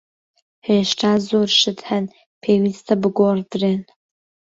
هێشتا زۆر شت هەن پێویستە بگۆڕدرێن.